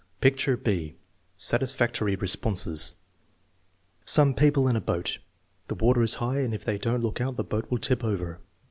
Picture (b): satisfactory responses "Some people in a boat. The water is high and if they don't look out the boat will tip over."